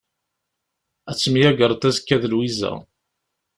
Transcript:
Ad temyagreḍ azekka d Lwiza.